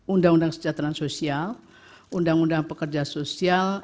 undang undang kesejahteraan sosial undang undang pekerja sosial